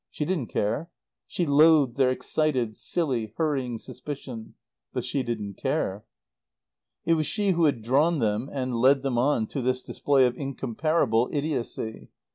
She didn't care. She loathed their excited, silly, hurrying suspicion; but she didn't care. It was she who had drawn them and led them on to this display of incomparable idiocy.